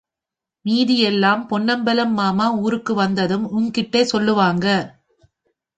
மீதியெல்லாம் பொன்னம்பலம் மாமா ஊருக்கு வந்ததும் உங்கிட்டேச் சொல்லுவாங்க.